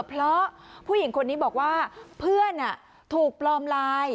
เพราะผู้หญิงคนนี้บอกว่าเพื่อนถูกปลอมไลน์